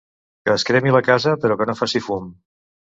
Que es cremi la casa, però que no faci fum.